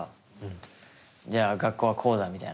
いや学校はこうだみたいな。